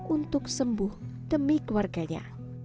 untuk sembuh demi keluarganya